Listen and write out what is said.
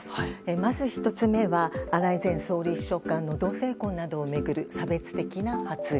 まず１つ目は荒井前総理秘書官の同性婚などを巡る差別的な発言。